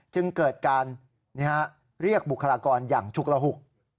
จึงเกิดการเรียกบุคลากรอย่างฉุกระหุก